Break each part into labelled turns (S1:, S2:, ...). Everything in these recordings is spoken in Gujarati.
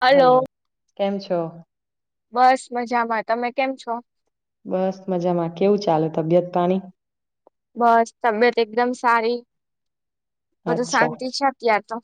S1: હલો.
S2: કેમ છો?
S1: બસ મજામાં તમે કેમ છો?
S2: બસ મજામાં કેવું ચાલે તબિયત પાણી?
S1: બસ તબિયત એકદમ સારી બધું
S2: અચ્છા
S1: શાંતિ છે અત્યાર તો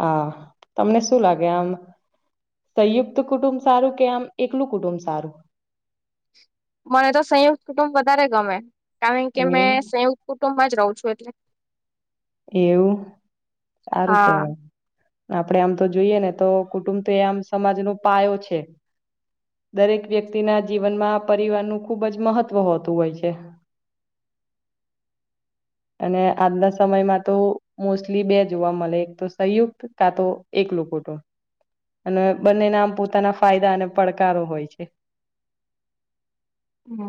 S2: હા તમને શું લાગે આમ સંયુક્ત કુટુંબ સારું કે આમ એકલું કુટુંબ સારું?
S1: મને તો સંયુક્ત કુટુંબ વધારે ગમે કારણ કે
S2: એવું
S1: મેં સંયુક્ત કુટુંબમાં જ રહું છું [inaudible]
S2: એવું સારું
S1: હા
S2: કેવાય. આપડે આમ તો જોઈએને તો કુટુંબ તો એ આમ સમાજનો પાયો છે. દરેક વ્યક્તિના જીવનમાં આ પરિવારનું ખુબ જ મહત્વ હોતું હોય છે. [inaudible] અને આદલાસ સમયમાં તો મોસ્ટલી બે જોવા મળે એક તો સંયુક્ત કા તો એકલુ કુટુંબ અને બંને ના આમ પોતાના ફાયદા અને પડકારો હોય છે.
S1: હમ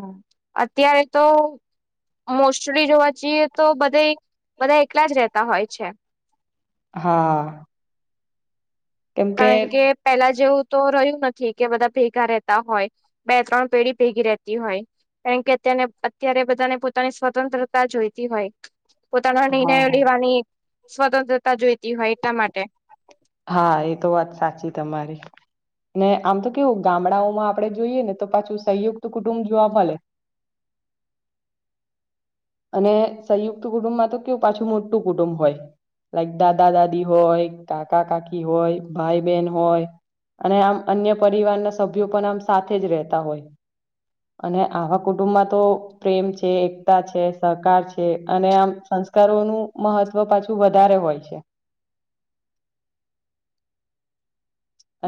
S1: અત્યારે તો મોસ્ટલી જોવા જઈએ તો બધા બધા એકલા જ રહેતા હોય છે.
S2: હા. કેમકે
S1: કારણ કે પેલા જેવું તો રહ્યું નથી કે બધા ભેગા રહેતા હોય બે ત્રણ પેઢી ભેગી રહેતી હોય કારણ કે અત્યાર અત્યારે બધાને પોતાની સ્વતંત્રતા જોઈતી હોય પોતાના
S2: હા
S1: નિર્ણયો લેવાની સ્વતંત્રતા જોઈતી હોય એટલા માટે
S2: હા એ તો વાત સાચી તમારી ને આમ તો કેવું ગામડાઓમાં આપડે જોઈએ ને તો પાછું સંયુક્ત કુટુંબ જોવા મલે [inaudible] અને સંયુક્ત કુટુંબમાં તો કેવું પાછું મોટું કુટુંબ હોય. લાઈક દાદા દાદી હોય કાકા કાકી હોય ભાઈ બહેન હોય. અને આમ અન્ય પરિવારના સભ્યો પણ આમ સાથે જ રહેતા હોય. અને આવા કુટુંબમાં તો પ્રેમ છે એકતા છે સહકાર છે અને આમ સંસ્કારોનું મહત્વ પાછું વધારે હોય છે.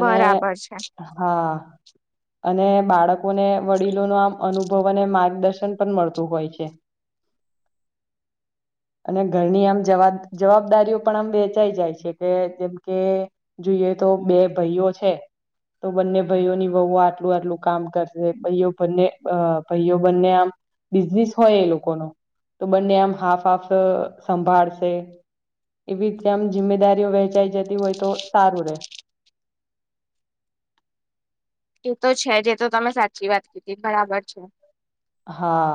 S2: અને
S1: છે
S2: હા અને બાળકોને વડીલોને આમ અનુભવ અને માર્ગદર્શન પણ મળતું હોય છે. [inaudible] અને ઘરની આમ જવાબ જવાબદારીઓ પણ આમ વેચાઈ જાય છે કે જેમ કે જોઇએ તો બે ભયઓ છે. તો બંને ભાઈઓની બહુ આટલું આટલું કામ કરશે ભાઈઓ બંને ભાઈઓ બંને આમ બિઝનેસ હોય એ લોકોનો તો બંને આમ હાફ હાફ સંભાળશે એવી રીતેમ જિમ્મેદારીઓ વહેંચાઈ જતી હોય તો સારું રે
S1: એ તો છે જે તો તમે સાચી વાત કીધી બરાબર છે
S2: હા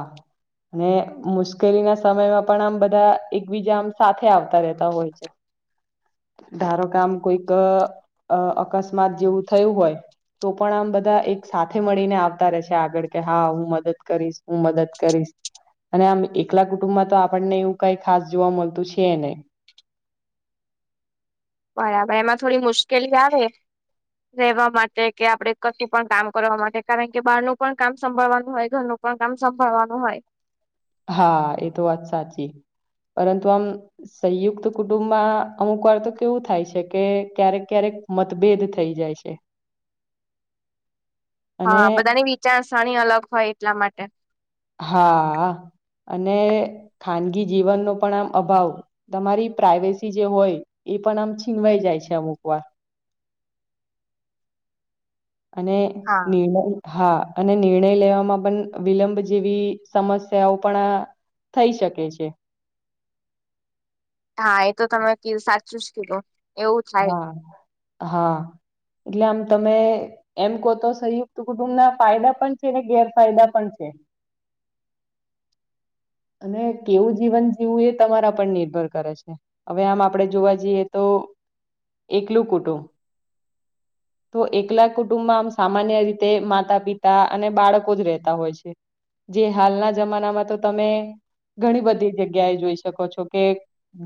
S2: અને મુશ્કેલીના સમયમાં પણ આમ બધા એકબીજા આમ સાથે આવતા રહેતા હોય છે ધારો કામ કોઈક અકસ્માત જેવું થયું હોય તો પણ આમ બધા એક સાથે મળીને આવતા રહેશે આગળ કે હા હું મદદ કરીશ હું મદદ કરીશ અને આમ એકલા કુટુંબમાં તો આપણને એવું કઈ ખાસ જોવા મળતું છે નને
S1: બરાબર એમાં થોડી મુશ્કેલી આવે રેવા માટે કે આપડ કશું પણ કામ કરવા માટે કારણ કે બારનું પણ કામ સંભળવાનું હોય ઘરનું પણ કામ સંભાળવાનું હોય
S2: હા એ તો વાત સાચી પરંતુ આમ સંયુક્ત કુટુંબમાં અમુક વાર તો કેવું થાય છે કે ક્યારેક ક્યારેક મતભેદ થઈ જાય છે અને
S1: હા બધાની વિચારસરણી અલગ હોય એટલા માટે
S2: હા અને ખાનગી જીવનનોો પણ આમ અભાવ તમારી પ્રાઈવેસી જે હોય એ પણ આમ છીનવાઈ જાય છે અમુક વાર અને
S1: હા
S2: નિળમ હા અને નિર્ણય લેવામાં પણ વિલંબ જેવી સમસ્યાઓ પણ આ થઈ શકે છે
S1: હા એ તો તમે સાચું જ કીધું એવું થાય
S2: હા હા એટલે આમ તમે એમ કહો તો સંયુક્ત કુટુંબ ના ફાયદા પણ છે. ને ગેરફાયદા પણ છે. [unintelligible] અને કેવું જીવન જીવું એ તમારા પર નિર્ભર કરે છે. હવે આમ આપડે જોવા જઈએ. તો એકલું કુટું. તો એકલા જ કુટુંબમાં આમ સામાન્ય રીતે માતા પિતા અને બાળકો જ રહેતા હોય છે. જે હાલના જમાનામાં તો તમે ઘણી બધી જગ્યા એ જોઈ શકો છો. કે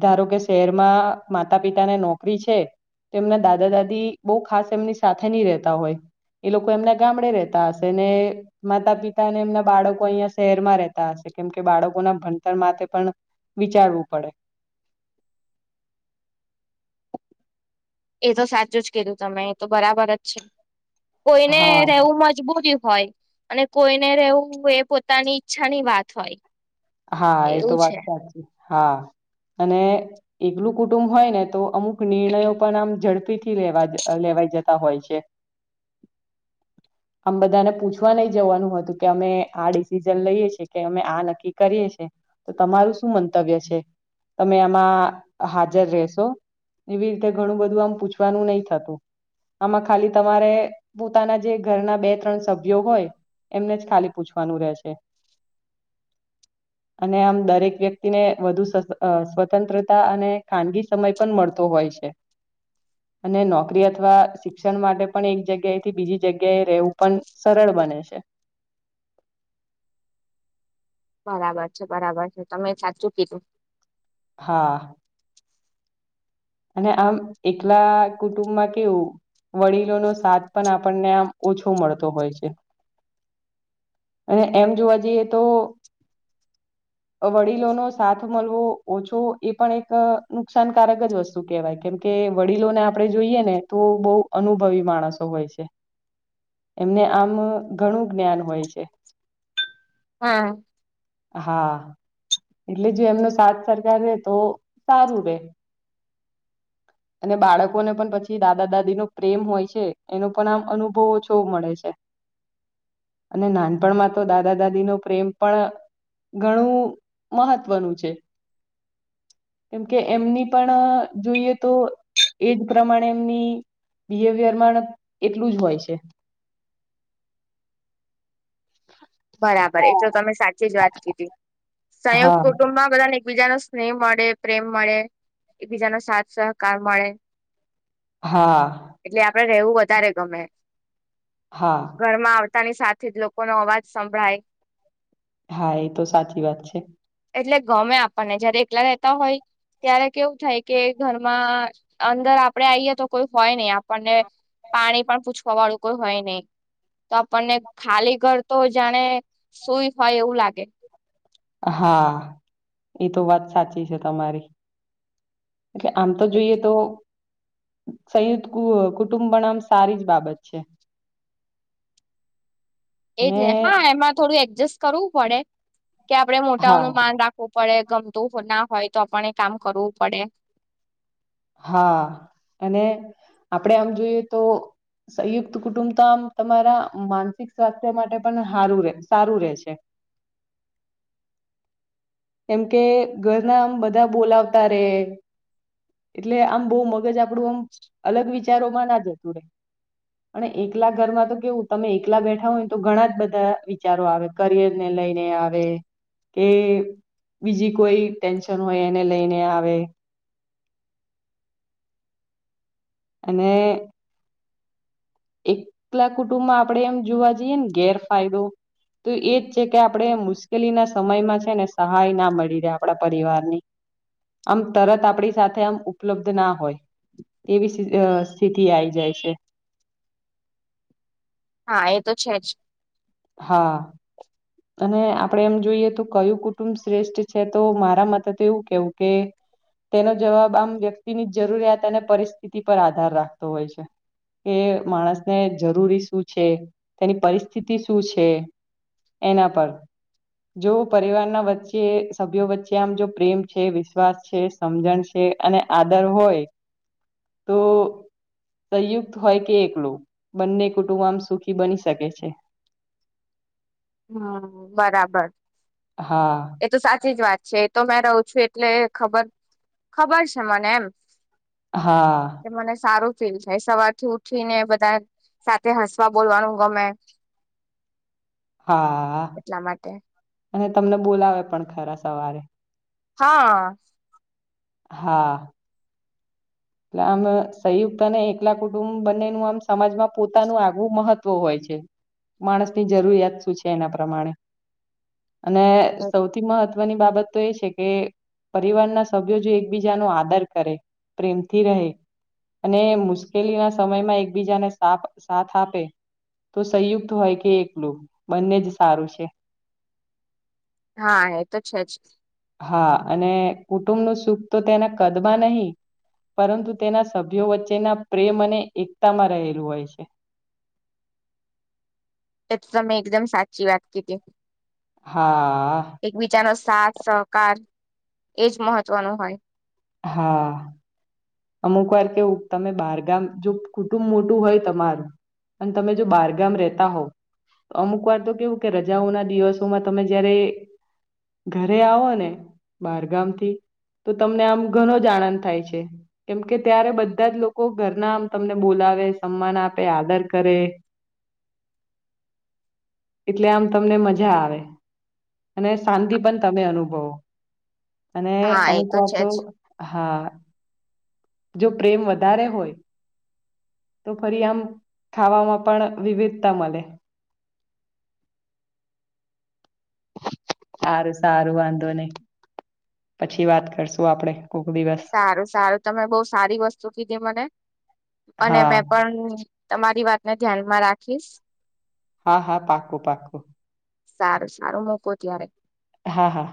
S2: ધારો કે શહેરમાં માતા પિતાને નોકરી છે. તો એમના દાદા- દાદી બહેન ખાસ એમની સાથે ની રેતા હોય. એ લોકો એમના ગામડે રેતા હશે. ને માતા-પિતા અને એમના બાળકો અહીયાં શહેરમાં રેતા હશે. કેમ કે બાળકોના ભણતર માટે પણ વિચારવું પડે. [inaudible]
S1: એ તો સાચું જ કીધું તમે એ તો બરાબર જ છે. કોઈને
S2: હા
S1: રહેવું મજબૂર હોય અને કોઈને રહેવું એ પોતાની ઈચ્છાની વાત હોય.
S2: હા, એ
S1: એવું
S2: તો વાત
S1: છે.
S2: સાચી હા અને એકલું કુટુંબ હોય ને તો અમુક નિર્ણયો પણ આમ ઝડપીથી લેવા લેવાઈ જતા હોય છે. [unintelligible] આમ બધાને પૂછવા નહી જવાનું હતું કે અમે આ ડિસિઝન લઈએ છીએ, કે અમે આ નક્કી કરીએ છે. તો તમારું શું મંતવ્ય છે? તમે આમાં હાજર રહેશો? એવી રીતે ઘણું બધું આમ પૂછવાનું નહી થતું. આમાં ખાલી તમારે પોતાના જે ઘરના બે- ત્રણ સભ્યો હોય. એમને જ ખાલી પૂછવાનું રહેશે. અને આમ દરેક વ્યક્તિ ને વધુ સ્વતંત્રતા અને ખાનગી સમય પણ મળતો હોય છે. [inaudible] અને નોકરી અથવા શિક્ષણ માટે પણ એક જગ્યાએથી બીજી જગ્યાએ રહેવું પણ સરળ બને છે.
S1: બરાબર છે. બરાબર છે. તમે સાચું કીધું.
S2: હા.
S1: [inaudible]
S2: અને આમ એકલા કુટુંબમાં કેવું વડીલોનો સાથ પણ આપણને આમ ઓછો મળતો હોય છે. અને એમ જોવા જઈએ તો વડીલો નો સાથ મળવો ઓછો એ પણ એક નુકસાનકારક જ વસ્તુ શું કેહેવાય? કેમ કે વડીલોને આપણે જોઈએ ને તો બહુ અનુભવી માણસો હોય છે. એમને આમ ઘણું જ્ઞાન હોય છે.
S1: હા.
S2: હા. એટલે જો એમનો સાથ સરકાર રે તો સારું રે. અને બાળકોને પણ પછી દાદા દાદી નો પ્રેમ હોય છે. એનો પણ આમ અનુભવ ઓછો મળે છે. અને નાનપણમાં તો દાદા દાદી નો પ્રેમ પણ ઘણું મહત્વનું છે. કેમ કે એમની પણ જોઈએ તો એ જ પ્રમાણે એમની બિહેવિયર પણ એટલું જ હોય છે. [inaudible]
S1: બરાબર એટ તો તમે સાચી જ વાત કીધી સંયુક્ત
S2: હા
S1: કુટુંબમાં બધાને એકબીજા નો સ્નેહ મળે, પ્રેમ મળે, એકબીજાનો સાથ સહકાર મળે.
S2: હા.
S1: આપ રહેવું વધારે ગમે
S2: હા
S1: ઘરમાં આવતાની સાથે જ લોકો નો અવાજ સમભ્રાય.
S2: હા. એ તો સાચી વાત છે.
S1: એટલે ગમે આપણને જયારે એકલા રહેેતા હોય. ત્યારે કેવું થાય કે ઘરમાં અંદર આપડે આઈએ તો કોઈ હોય નહ આપણને પાણી પણ પૂછવા વાળું કોઈ હોય નહી તો આપણને ખાલી ઘર તો જાણે સુઈ હોય એવું લાગે
S2: હા એ તો વાત સાચી છે તમારી એટલે આમ તો જોઈએ તો સંયુદત કુટુંબ પણમ સારી જ બાબત છે
S1: એજ
S2: અને
S1: ને હા એમાં થોડું એડજસ્ટ કરવું પડે કે આપડે મોટાઓ ન
S2: હા
S1: માન રાખવો પડે ગમતું ના હોય તો આપને એ કામ કરવું પડે
S2: હા અને આપડે આમ જોઈએ તો સંયુક્ત કુટુંબ તો આમ તમારા માનસિક સ્વાસ્થ્ય માટે પણ હારું સારું રે છે એમ કે ઘરના આમ બધા બોલાવતા રે એટલે આમ બહુ મગજ આપડું આમ અલગ વિચારોમાં ના જતું રહેે અને એકલા ઘરમાં તો કેવું તમે એકલા બેઠા હોય તો ઘણા બધા વિચારો આવે કરિયર ને લ લઈને આવે કે બીજી કોઈ ટેન્શન હોય એને લઈને આવે અને એકલા કુટુંબમાં આપડે એમ જોવા જઈએ ને ગેરફાયદો તો એજ છે કે આપણે મુશ્કેલીના સમયમાં છે ને સહાય ના મળી રહે આપણા પરિવારની આમ તરત આપણી સાથે આમ ઉપલબ્ધ ના હોય તેવી સ્થિતિ આ આવી જાય છે
S1: હા એ તો છે જ
S2: હા અને આપણેે એમ જોઈએ તો કયું કુટુંબ શ્રેષ્ઠ છે તો મારા મતે તો એવું કેવું કે તેનો જવાબ આમ વ્યક્તિની, જરૂરિયાત અને પરિસ્થિતિ પર આધાર રાખતો હોય છે. કે માણસને જરૂરી શું છે, તેની પરિસ્થિતિ શું છે. એના પર જો પરિવારના વચ્ચે સભ્યો વચ્ચે આમ જો પ્રેમ છે, વિશ્વાસ છે, સમજણ છે. અને આદર હોય, તો સંયુક્ત હોય, કે એકલું બંને કુટુંબ આમ સુખી બની શકે છે.
S1: હમ, બરાબર
S2: હા,
S1: એ તો સાચી જ વાત છે, એ તો મેં રહું છુ એટલે ખબર ખબર છે, મને એમ
S2: હા
S1: કે મને સારું ફીલ થાય, સવારથી ઉઠી ને બધા સાથે હસવા બોલવાનું ગમે
S2: હા,
S1: એટલા માટે
S2: અને તમને બોલાવે પણ ખરા સવારે
S1: હા
S2: હા એટલે આમ સયુક્ત અને એકલા કુટુંબ બંનેનું આમ સમાજમાં પોતાનું આગવું મહત્વ હોય, છે. માણસની જરૂરિયાત શું છે, એના પ્રમાણે અને
S1: એ
S2: સૌથી મહત્વ ની બાબત તો એ છે, કે પરિવારના સભ્યો જો એકબીજા ન આદર કરે પ્રેમ થી, રહે અને મુશ્કેલી ના સમયમાં એકબીજાને સા સાથ આપે તો સંયુક્ત હોય, કે એકલું બંને જ સારુ છે.
S1: હા, એ તો છે, જ?
S2: હા, અને કુટુંબનુ, સુખ તો તેના કદમાં નહી પરતુ, તેના સભ્યો વચ્ચેના પ્રેમ અને એકતામાં રહેલું હોય છે.
S1: એ તો મે, એકદમ સાચી વાત કી હતી.
S2: હા
S1: એકબીજાનો, સાથ સહકાર એજ મહત્વનો હોય.
S2: હા અમુક વાર કે તમે બારગામ જો કુટુંબ મોટું હોય, તમારુ- અને, તમે જો બારગામ રતા હો અમુક વાર, તો કેવું કે રજાઓના દિવસોમાં તમે જયારે ઘરે આવો, ને બારગામ થી. તો તમને આમ ઘણો, જ આનંદ થાય છે. કેમકે ત્યારે, બધા જ લોકો ઘરના આમ તમને બોલાવે સન્માન આપે આદર કરે. એટલે આમ તમને મજા આવે અને શાંતિ, પણ તમે અનુભવો અને
S1: હા એ
S2: અમુક
S1: તો છે
S2: વાતો,
S1: જ
S2: હા જો, પ્રેમ વધારે હોય. તો ફરી, આમ ખાવામા પણ વિવિધતા મળે સારુ સારુ વાંધો નહી, પછી વાત કરશું આપડે કોક દિવસ
S1: સારુ સારુ તમે બઉ સારી વસ્તુ કીધી મને અને
S2: હા
S1: મેં પણ તમારી, વાતને ધ્યાન માં રાખીશ
S2: હા, હા પાકુ પાકુ
S1: સારુ, સારો મોકો ત્યારે
S2: હા, હા